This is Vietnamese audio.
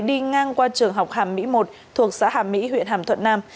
đi ngang qua trường học hàm mỹ một thuộc xã hàm mỹ huyện hàm thuận nam